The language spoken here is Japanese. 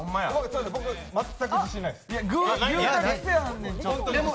僕、全く自信ないです。